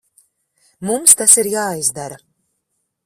Mums tas ir jāizdara.